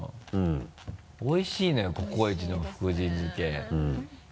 おいしいのよ「ココイチ」の福神漬け。